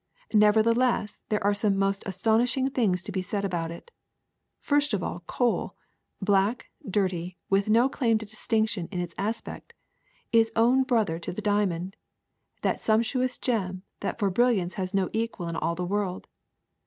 Nevertheless there are some most astonishing things to be said about it. First of all, coal — black, dirty, with no claim to distinction in its aspect — is own brother to the diamond, the sumptuous gem that for brilliance has no equal in all the world.